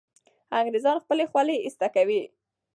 انګریزان خپله خولۍ ایسته کوي.